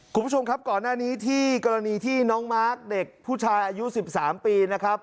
คุณผู้ชมครับก่อนหน้านี้ที่กรณีที่น้องมาร์คเด็กผู้ชายอายุ๑๓ปีนะครับ